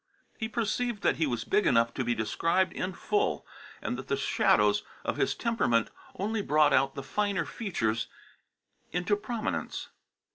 He perceived that he was big enough to be described in full, and that the shadows of his temperament only brought out the finer features into prominence.